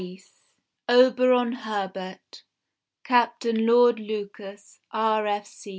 H. (_Auberon Herbert, Captain Lord Lucas, R.F.C.